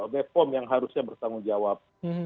bepom yang harusnya bertanggung jawab